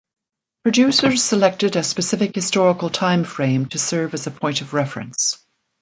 Producers selected a specific historical time frame to serve as a point of reference.